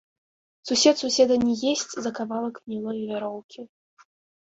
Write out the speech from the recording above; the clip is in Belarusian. Сусед суседа не есць за кавалак гнілой вяроўкі.